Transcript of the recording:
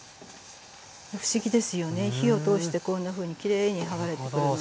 不思議ですよね火を通してこんなふうにきれいにはがれてくるので。